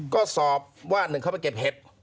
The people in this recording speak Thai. ก็สอบว่าหนึ่งเข้าไปเก็บเห็ด